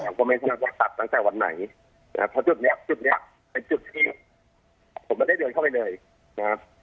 แต่หากคนมีชีวิตมาถัดตั้งแต่วันไหนนะครับเพราะจุดเนี้ยขายจุที่ผมมันได้เดินเข้าไปหน่อยนะครับ